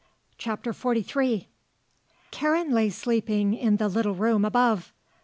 CHAPTER XLIII Karen lay sleeping in the little room above.